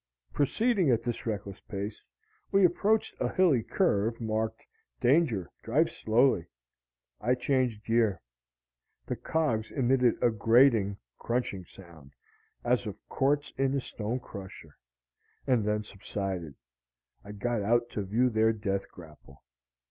Proceeding at this reckless pace, we approached a hilly curve marked "DANGER: DRIVE SLOWLY." I changed gear. The cogs emitted a grating, crunching sound, as of quartz in a stone crusher, and then subsided. I got out to view their death grapple.